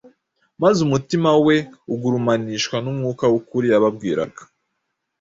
maze umutima we ugurumanishwa n’umwuka w’ukuri yababwiraga.